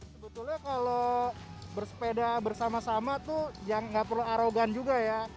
sebetulnya kalau bersepeda bersama sama tuh nggak perlu arogan juga ya